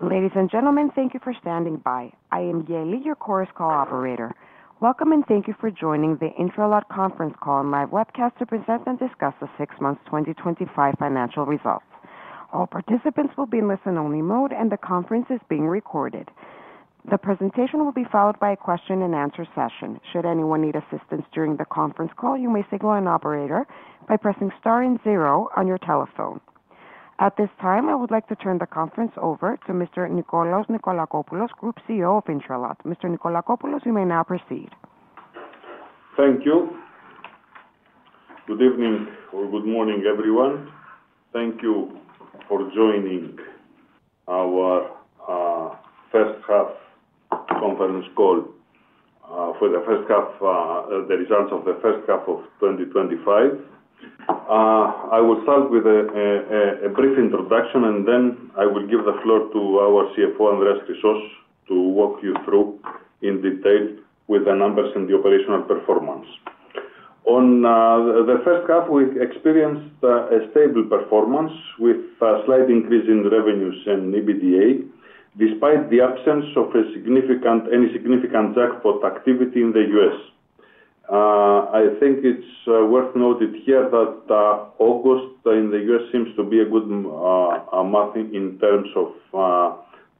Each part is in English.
Ladies and gentlemen, thank you for standing by. I am Yali, your conference call operator. Welcome and thank you for joining the Intralot S.A. Integrated Lottery Systems and Services conference call and webcast to present and discuss the six months 2025 financial results. All participants will be in listen-only mode, and the conference is being recorded. The presentation will be followed by a question and answer session. Should anyone need assistance during the conference call, you may signal an operator by pressing star and zero on your telephone. At this time, I would like to turn the conference over to Mr. Nikolaos Nikolakopoulos, Group CEO of Intralot S.A. Mr. Nikolakopoulos, you may now proceed. Thank you. Good evening or good morning, everyone. Thank you for joining our first half conference call for the first half, the results of the first half of 2025. I will start with a brief introduction, and then I will give the floor to our CFO, Andreas Chrysos, to walk you through in detail with the numbers and the operational performance. On the first half, we experienced a stable performance with a slight increase in revenues and EBITDA, despite the absence of any significant jackpot activity in the U.S. I think it's worth noting here that August in the U.S. seems to be a good month in terms of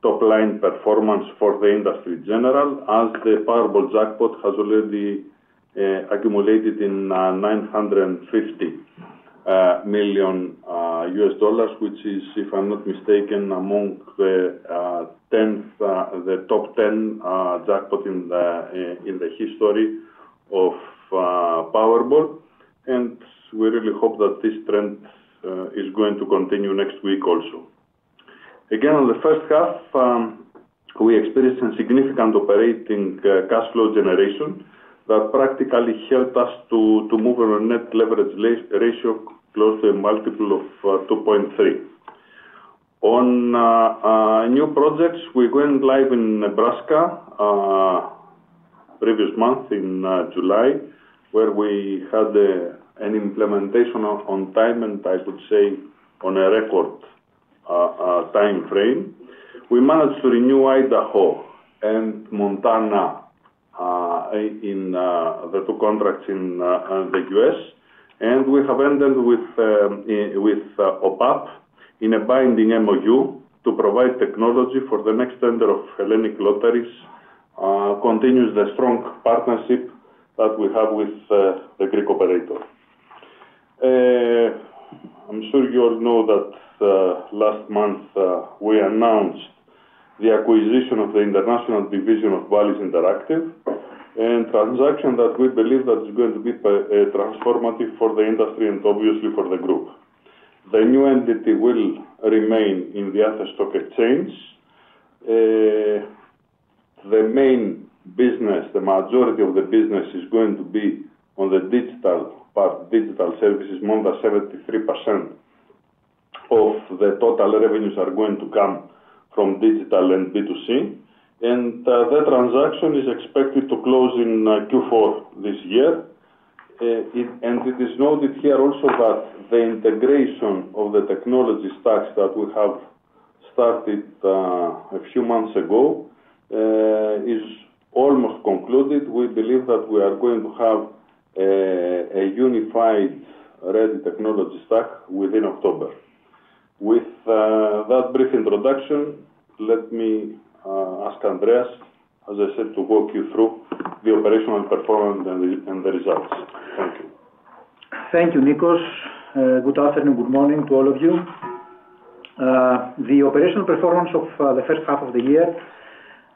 top-line performance for the industry in general, as the Powerball jackpot has already accumulated in $950 million, which is, if I'm not mistaken, among the top 10 jackpots in the history of Powerball. We really hope that this trend is going to continue next week also. Again, on the first half, we experienced some significant operating cash flow generation that practically helped us to move our net leverage ratio close to a multiple of 2.3. On new projects, we went live in Nebraska the previous month in July, where we had an implementation of containment, I would say, on a record timeframe. We managed to renew Idaho and Montana in the two contracts in the U.S., and we have ended with OPAP in a binding memorandum of understanding to provide technology for the next tender of Hellenic Lotteries, which continues the strong partnership that we have with the Greek operator. I'm sure you all know that last month we announced the acquisition of the international division of Bally’s Interactive, a transaction that we believe is going to be transformative for the industry and obviously for the group. The new entity will remain in the asset stock exchange. The main business, the majority of the business is going to be on the digital part, digital services. More than 73% of the total revenues are going to come from digital and B2C, and that transaction is expected to close in Q4 this year. It is noted here also that the integration of the technology stacks that we have started a few months ago is almost concluded. We believe that we are going to have a unified ready technology stack within October. With that brief introduction, let me ask Andreas, as I said, to walk you through the operational performance and the results. Thank you. Thank you, Nikos. Good afternoon, good morning to all of you. The operational performance of the first half of the year,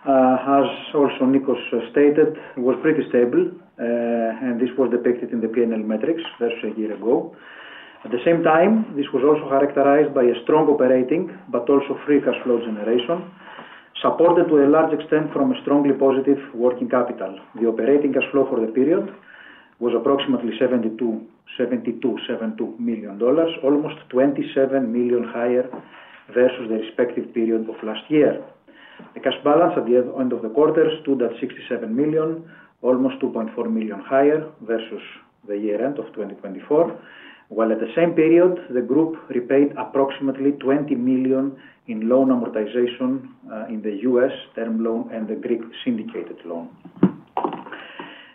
as also Nikos stated, was pretty stable, and this was depicted in the P&L metrics just a year ago. At the same time, this was also characterized by a strong operating but also free cash flow generation, supported to a large extent from a strongly positive working capital. The operating cash flow for the period was approximately $72.72 million, almost $27 million higher versus the respective period of last year. The cash balance at the end of the quarter stood at $67 million, almost $2.4 million higher versus the year end of 2024. While at the same period, the group repaid approximately $20 million in loan amortization in the U.S., term loan, and the Greek syndicated loan.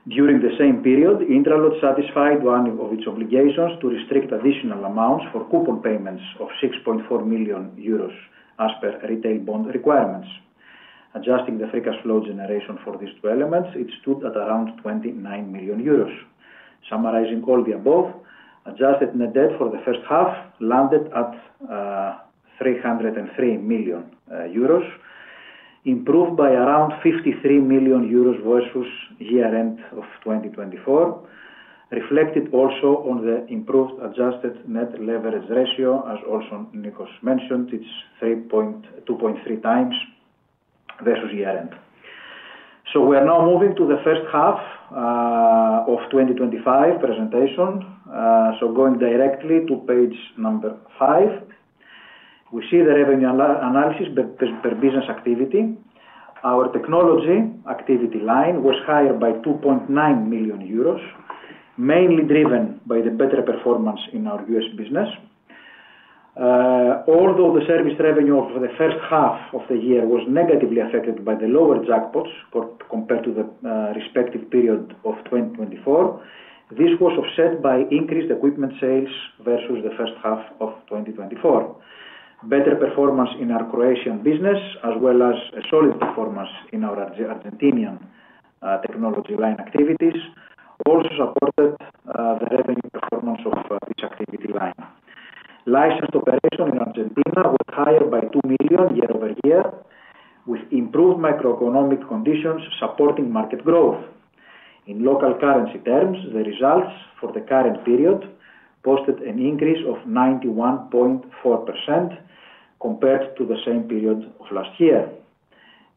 During the same period, Intralot S.A. Integrated Lottery Systems and Services satisfied one of its obligations to restrict additional amounts for coupon payments of 6.4 million euros as per retail bond requirements. Adjusting the free cash flow generation for these two elements, it stood at around 29 million euros. Summarizing all the above, adjusted net debt for the first half landed at 303 million euros, improved by around 53 million euros versus year end of 2024, reflected also on the improved adjusted net leverage ratio, as also Nikos mentioned, it's 2.3 times versus year end. We are now moving to the first half of 2025 presentation. Going directly to page number five, we see the revenue analysis per business activity. Our technology activity line was higher by 2.9 million euros, mainly driven by the better performance in our U.S. business. Although the service revenue of the first half of the year was negatively affected by the lower jackpots compared to the respective period of 2024, this was offset by increased equipment sales versus the first half of 2024. Better performance in our Croatian business, as well as a solid performance in our Argentinian technology line activities, also supported the revenue performance of each activity line. Licensed operation in Argentina was higher by 2 million year over year, with improved macroeconomic conditions supporting market growth. In local currency terms, the results for the current period posted an increase of 91.4% compared to the same period of last year.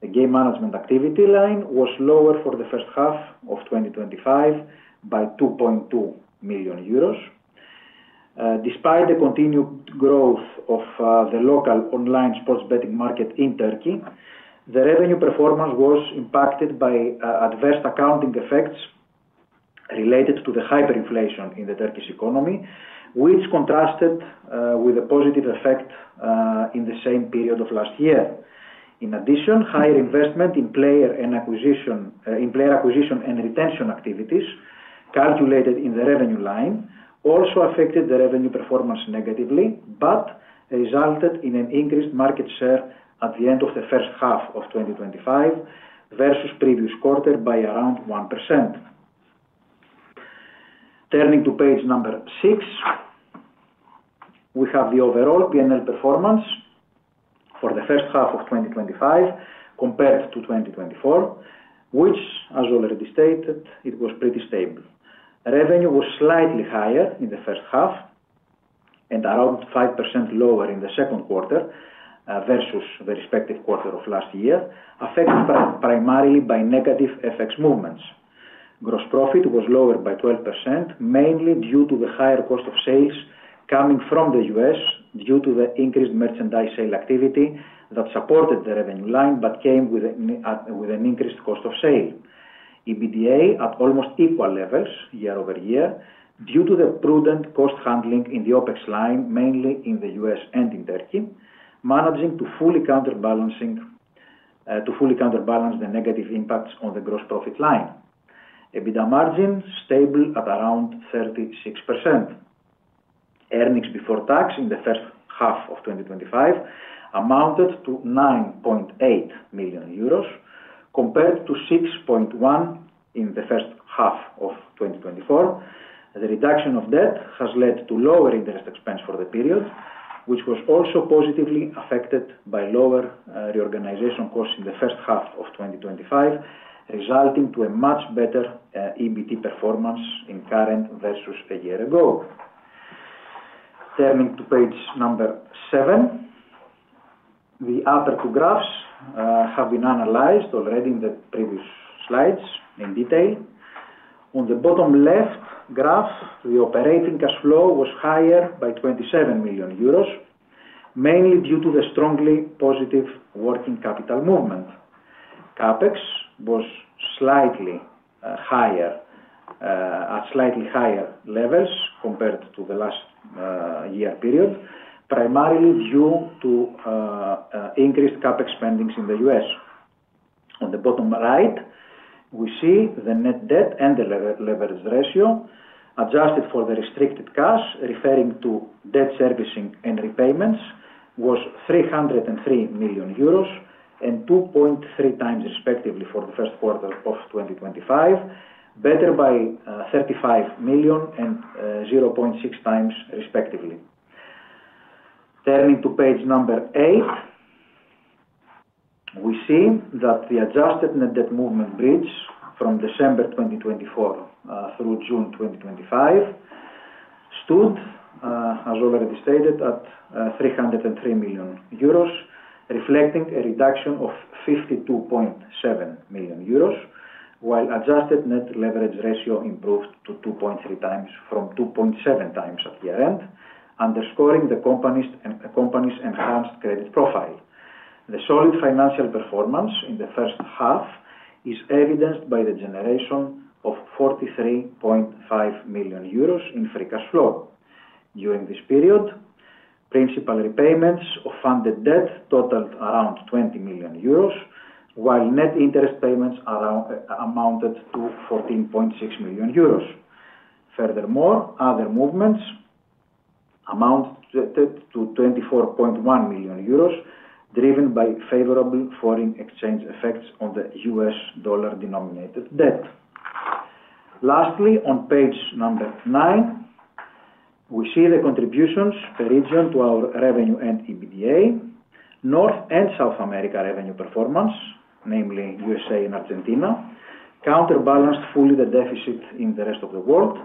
The game management activity line was lower for the first half of 2025 by 2.2 million euros. Despite the continued growth of the local online sports betting market in Turkey, the revenue performance was impacted by adverse accounting effects related to the hyperinflation in the Turkish economy, which contrasted with a positive effect in the same period of last year. In addition, higher investment in player acquisition and retention activities calculated in the revenue line also affected the revenue performance negatively, but resulted in an increased market share at the end of the first half of 2025 versus previous quarter by around 1%. Turning to page number six, we have the overall P&L performance for the first half of 2025 compared to 2024, which, as already stated, it was pretty stable. Revenue was slightly higher in the first half and around 5% lower in the second quarter versus the respective quarter of last year, affected primarily by negative FX movements. Gross profit was lower by 12%, mainly due to the higher cost of sales coming from the U.S. due to the increased merchandise sale activity that supported the revenue line but came with an increased cost of sale. EBITDA at almost equal levels year over year due to the prudent cost handling in the OpEx line, mainly in the U.S. and in Turkey, managing to fully counterbalance the negative impacts on the gross profit line. EBITDA margin stable at around 36%. Earnings before tax in the first half of 2025 amounted to 9.8 million euros compared to 6.1 million in the first half of 2024. The reduction of debt has led to lower interest expense for the period, which was also positively affected by lower reorganization costs in the first half of 2025, resulting in a much better EBITDA performance in current versus a year ago. Turning to page number seven, the other two graphs have been analyzed already in the previous slides in detail. On the bottom left graph, the operating cash flow was higher by 27 million euros, mainly due to the strongly positive working capital movement. CapEx was slightly higher at slightly higher levels compared to the last year period, primarily due to increased CapEx spendings in the U.S. On the bottom right, we see the net debt and the leverage ratio adjusted for the restricted cash, referring to debt servicing and repayments, was 303 million euros and 2.3 times, respectively, for the first quarter of 2025, better by 35 million and 0.6 times, respectively. Turning to page number eight, we see that the adjusted net debt movement bridge from December 2024 through June 2025 stood, as already stated, at 303 million euros, reflecting a reduction of 52.7 million euros, while adjusted net leverage ratio improved to 2.3 times from 2.7 times at year end, underscoring the company's enhanced credit profile. The solid financial performance in the first half is evidenced by the generation of 43.5 million euros in free cash flow. During this period, principal repayments of funded debt totaled around 20 million euros, while net interest payments amounted to 14.6 million euros. Furthermore, other movements amounted to 24.1 million euros, driven by favorable foreign exchange effects on the U.S. dollar-denominated debt. Lastly, on page number nine, we see the contributions per region to our revenue and EBITDA. North and South America revenue performance, namely U.S. and Argentina, counterbalanced fully the deficit in the rest of the world,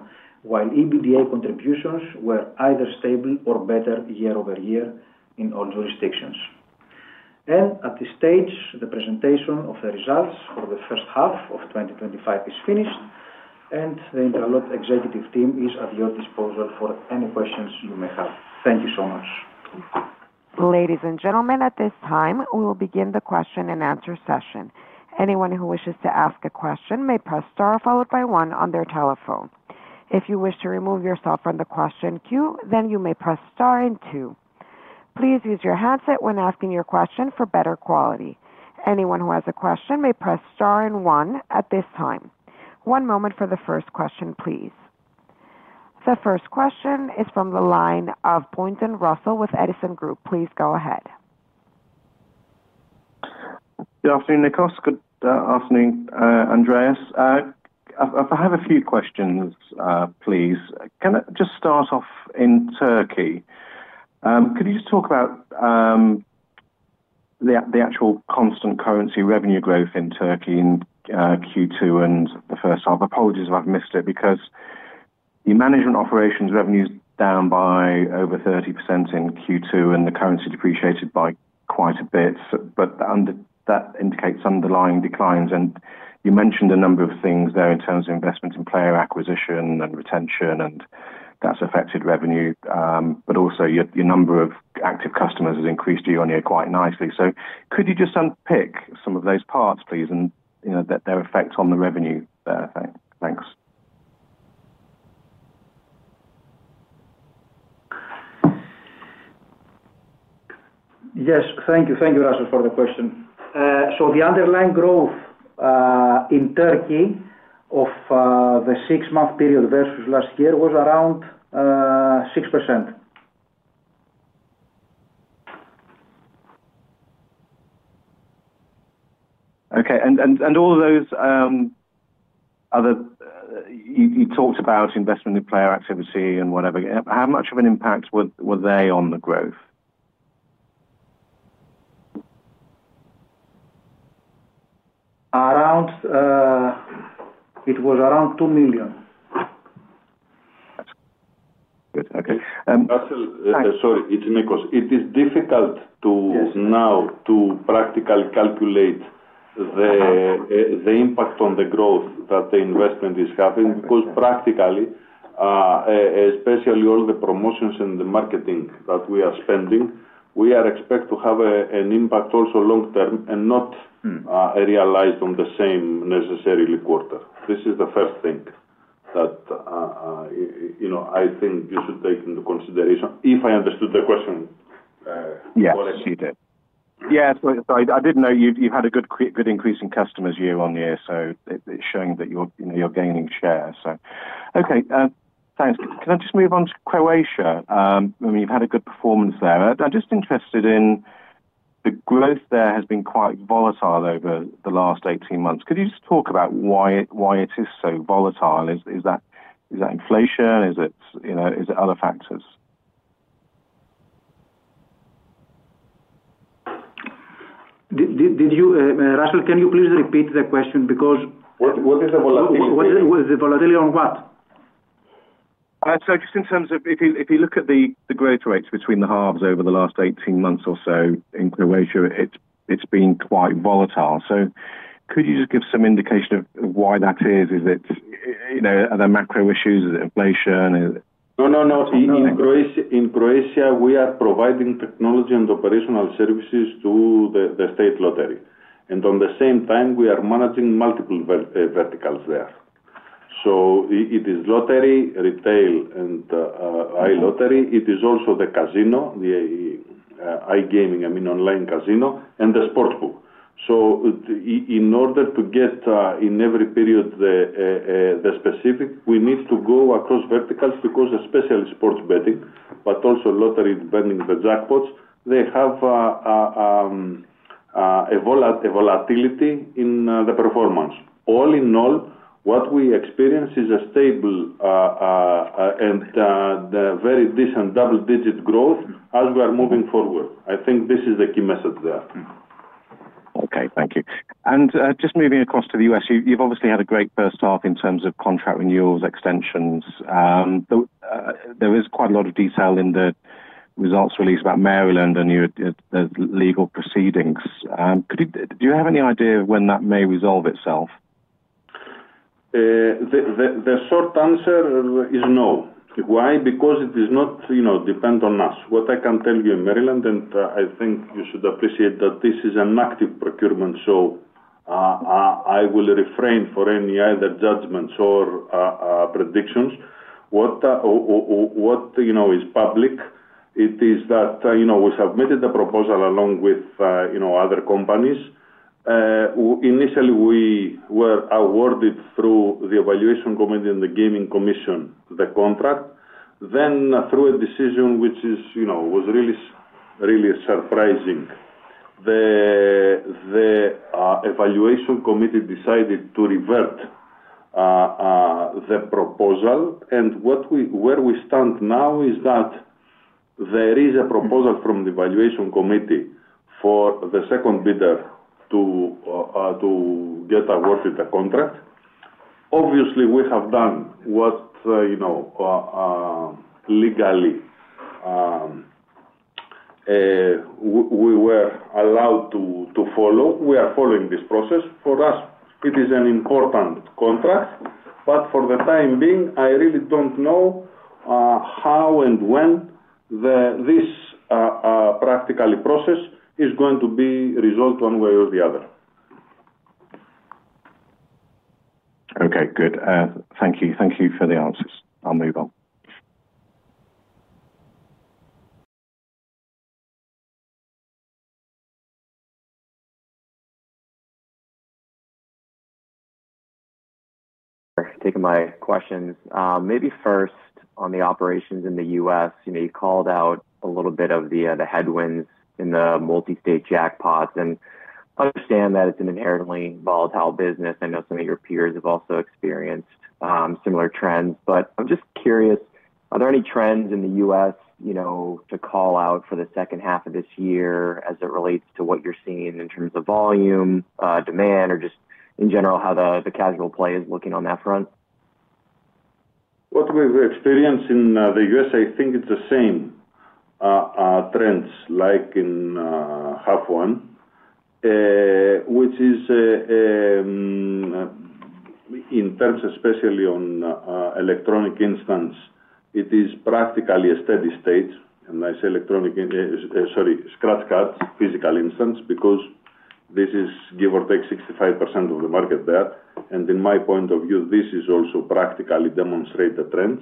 while EBITDA contributions were either stable or better year over year in all jurisdictions. At this stage, the presentation of the results for the first half of 2025 is finished, and the Intralot executive team is at your disposal for any questions you may have. Thank you so much. Ladies and gentlemen, at this time, we will begin the question and answer session. Anyone who wishes to ask a question may press star followed by one on their telephone. If you wish to remove yourself from the question queue, you may press star and two. Please use your handset when asking your question for better quality. Anyone who has a question may press star and one at this time. One moment for the first question, please. The first question is from the line of Boynton Russell with Edison Group. Please go ahead. Good afternoon, Nikos. Good afternoon, Andreas. I have a few questions, please. Can I just start off in Turkey? Could you just talk about the actual constant currency revenue growth in Turkey in Q2 and the first half? Apologies if I've missed it because your management operations revenue is down by over 30% in Q2 and the currency depreciated by quite a bit, that indicates underlying declines. You mentioned a number of things there in terms of investment in player acquisition and retention, and that's affected revenue. Also, your number of active customers has increased year on year quite nicely. Could you just unpick some of those parts, please, and their effect on the revenue? Thanks. Yes, thank you. Thank you, Russell, for the question. The underlying growth in Turkey of the six-month period versus last year was around 6%. Okay. All those other, you talked about investment in player activity and whatever, how much of an impact were they on the growth? It was around $2 million. Good. Okay. Russell, sorry, it's Nikos. It is difficult now to practically calculate the impact on the growth that the investment is having because, practically, especially all the promotions and the marketing that we are spending, we are expected to have an impact also long-term and not realized on the same necessarily quarter. This is the first thing that I think you should take into consideration. If I understood the question, what I see there. Yeah, I did know you've had a good increase in customers year on year, so it's showing that you're gaining share. Thanks. Can I just move on to Croatia? I mean, you've had a good performance there. I'm just interested in the growth there has been quite volatile over the last 18 months. Could you just talk about why it is so volatile? Is that inflation? Is it other factors? Russell, can you please repeat the question? What is the volatility? The volatility on what? In terms of if you look at the growth rates between the halves over the last 18 months or so in Croatia, it's been quite volatile. Could you just give some indication of why that is? Is it, you know, are there macro issues? Is it inflation? No, no, no. In Croatia, we are providing technology and operational services to the state lottery. At the same time, we are managing multiple verticals there. It is lottery, retail, and iLottery. It is also the casino, the iGaming, I mean, online casino, and the SportHub. In order to get in every period the specific, we need to go across verticals because especially sports betting, but also lottery, is burning the jackpots. They have a volatility in the performance. All in all, what we experience is a stable and very decent double-digit growth as we are moving forward. I think this is the key message there. Okay. Thank you. Just moving across to the U.S., you've obviously had a great first half in terms of contract renewals and extensions. There is quite a lot of detail in the results release about Maryland and the legal proceedings. Do you have any idea when that may resolve itself? The short answer is no. Why? Because it does not depend on us. What I can tell you in Maryland, and I think you should appreciate that this is an active procurement, so I will refrain from any either judgments or predictions. What is public is that we submitted the proposal along with other companies. Initially, we were awarded through the evaluation committee and the gaming commission the contract, then through a decision which was really, really surprising. The evaluation committee decided to revert the proposal. Where we stand now is that there is a proposal from the evaluation committee for the second bidder to get awarded the contract. Obviously, we have done what legally we were allowed to follow. We are following this process. For us, it is an important contract. For the time being, I really don't know how and when this practical process is going to be resolved one way or the other. Okay. Good. Thank you. Thank you for the answers. I'll move on. Thanks for taking my questions. Maybe first on the operations in the U.S. You called out a little bit of the headwinds in the multi-state jackpots. I understand that it's an inherently volatile business. I know some of your peers have also experienced similar trends. I'm just curious, are there any trends in the U.S. to call out for the second half of this year as it relates to what you're seeing in terms of volume, demand, or just in general how the casual play is looking on that front? To me, the experience in the U.S., I think it's the same trends like in half one, which is in terms, especially on electronic instance, it is practically a steady state. I say electronic, sorry, scratch cards, physical instance because this is, give or take, 65% of the market there. In my point of view, this is also practically demonstrated trends.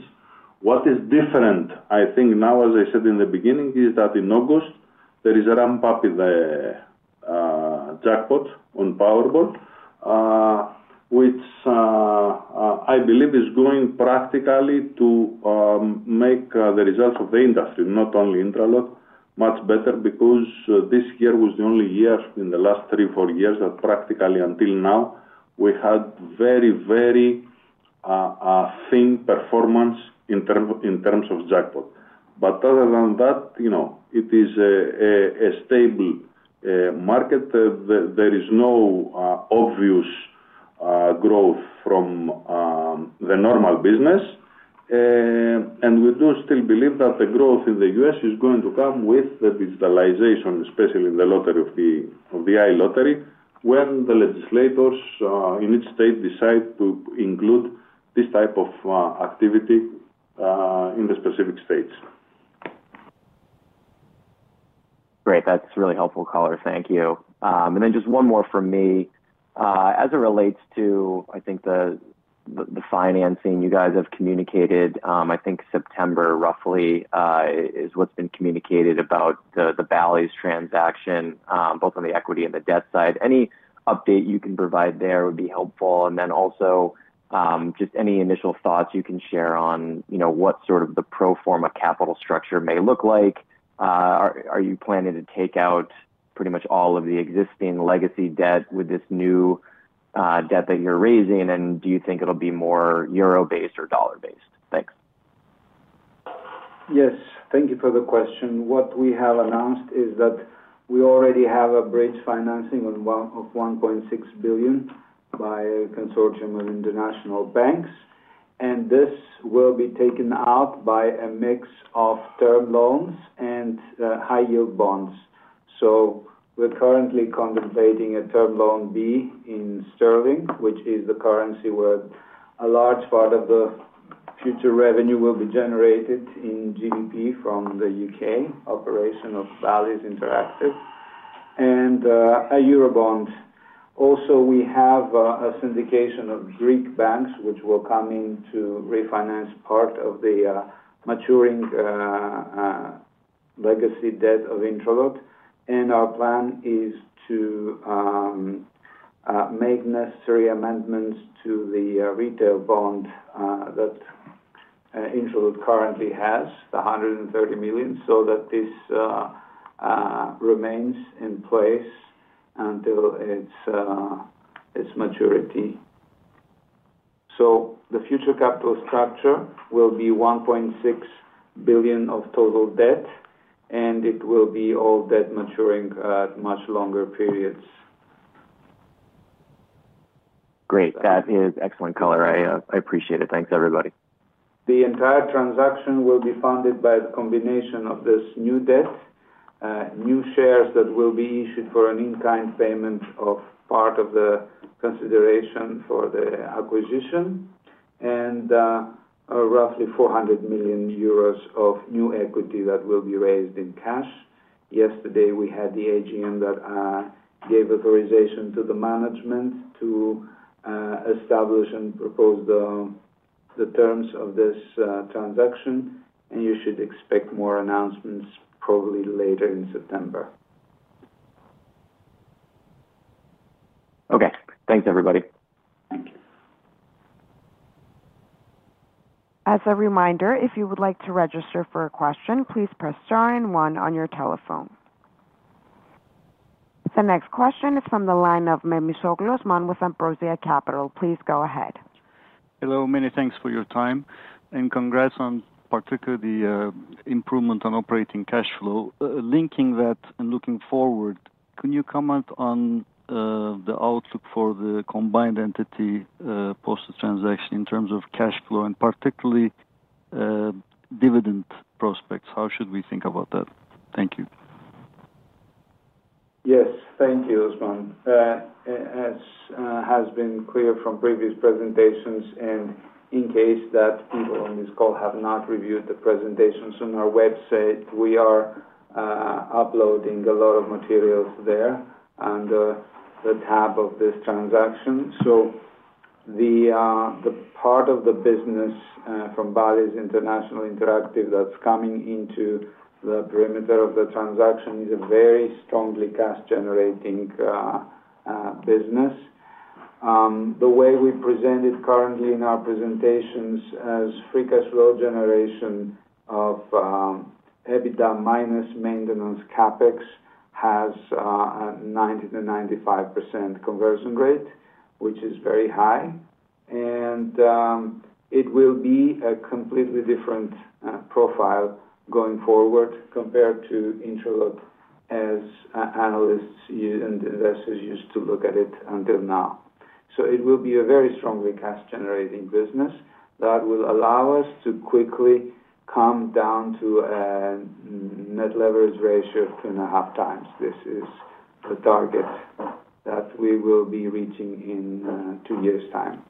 What is different, I think now, as I said in the beginning, is that in August, there is a ramp-up in the jackpot on Powerball, which I believe is going practically to make the results of the industry, not only Intralot S.A. Integrated Lottery Systems and Services, much better because this year was the only year in the last three, four years that practically until now, we had very, very thin performance in terms of jackpot. Other than that, you know, it is a stable market. There is no obvious growth from the normal business. We do still believe that the growth in the U.S. is going to come with the digitalization, especially in the lottery of the iLottery, when the legislators in each state decide to include this type of activity in the specific states. Great. That's a really helpful caller. Thank you. Just one more from me. As it relates to, I think, the financing, you guys have communicated, I think September roughly is what's been communicated about the Bally’s Interactive transaction, both on the equity and the debt side. Any update you can provide there would be helpful. Also, just any initial thoughts you can share on, you know, what sort of the pro forma capital structure may look like. Are you planning to take out pretty much all of the existing legacy debt with this new debt that you're raising? Do you think it'll be more euro-based or dollar-based? Thanks. Yes. Thank you for the question. What we have announced is that we already have a bridge financing of 1.6 billion by a consortium of international banks. This will be taken out by a mix of term loans and high-yield bonds. We're currently contemplating a term loan B in sterling, which is the currency where a large part of the future revenue will be generated in GBP from the UK operation of Bally’s Interactive, and a euro bond. We also have a syndication of Greek banks which will come in to refinance part of the maturing legacy debt of Intralot S.A. Integrated Lottery Systems and Services. Our plan is to make necessary amendments to the retail bond that Intralot currently has, the 130 million, so that this remains in place until its maturity. The future capital structure will be 1.6 billion of total debt, and it will be all debt maturing at much longer periods. Great. That is excellent color. I appreciate it. Thanks, everybody. The entire transaction will be funded by the combination of this new debt, new shares that will be issued for an in-kind payment of part of the consideration for the acquisition, and roughly 400 million euros of new equity that will be raised in cash. Yesterday, we had the AGM that gave authorization to the management to establish and propose the terms of this transaction. You should expect more announcements probably later in September. Okay, thanks, everybody. As a reminder, if you would like to register for a question, please press star and one on your telephone. The next question is from the line of Osman Mehmisoglos with Ambrosia Capital. Please go ahead. Hello. Many thanks for your time. Congrats on particularly the improvement on operating cash flow. Linking that and looking forward, can you comment on the outlook for the combined entity post-transaction in terms of cash flow and particularly dividend prospects? How should we think about that? Thank you. Yes. Thank you, Osman. As has been clear from previous presentations, and in case that people on this call have not reviewed the presentations on our website, we are uploading a lot of materials there in the tab of this transaction. The part of the business from Bally’s Interactive that's coming into the perimeter of the transaction is a very strongly cash-generating business. The way we present it currently in our presentations as free cash flow generation of EBITDA minus maintenance CapEx has a 90% to 95% conversion rate, which is very high. It will be a completely different profile going forward compared to Intralot S.A. Integrated Lottery Systems and Services as analysts and investors used to look at it until now. It will be a very strongly cash-generating business that will allow us to quickly come down to a net leverage ratio of 2.5 times. This is the target that we will be reaching in two years' time.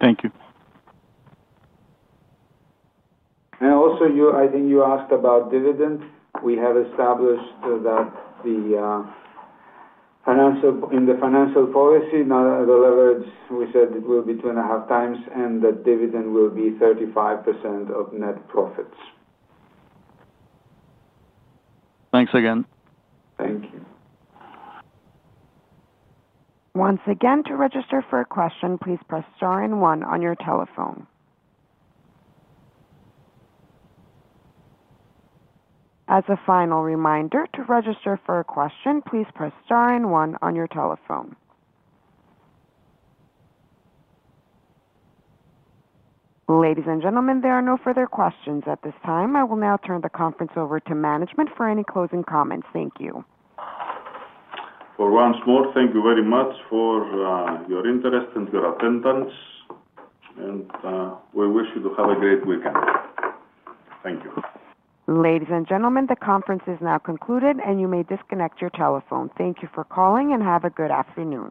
Thank you. I think you asked about dividend. We have established that in the financial policy, the leverage, we said it will be 2.5 times and that dividend will be 35% of net profits. Thanks again. Thank you. Once again, to register for a question, please press star and one on your telephone. As a final reminder, to register for a question, please press star and one on your telephone. Ladies and gentlemen, there are no further questions at this time. I will now turn the conference over to management for any closing comments. Thank you. For once more, thank you very much for your interest and your attendance. We wish you to have a great weekend. Thank you. Ladies and gentlemen, the conference is now concluded, and you may disconnect your telephone. Thank you for calling and have a good afternoon.